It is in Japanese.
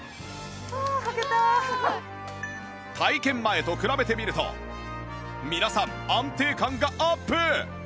体験前と比べてみると皆さん安定感がアップ！